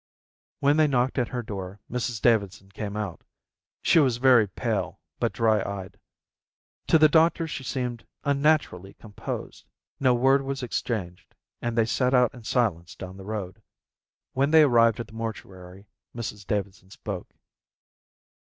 When they knocked at her door Mrs Davidson came out. She was very pale, but dry eyed. To the doctor she seemed unnaturally composed. No word was exchanged, and they set out in silence down the road. When they arrived at the mortuary Mrs Davidson spoke.